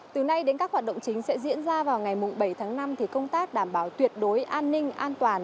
từ nay đến các hoạt động chính sẽ diễn ra vào ngày bảy tháng năm công tác đảm bảo tuyệt đối an ninh an toàn